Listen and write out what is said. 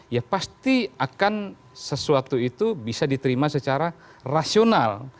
ya pasti akan sesuatu itu bisa diterima secara rasional